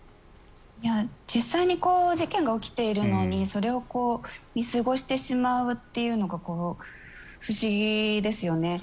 実際に事件が起きているのに見過ごしてしまうというのが不思議ですよね。